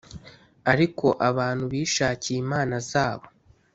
ariko abantu bishakiye imana zabo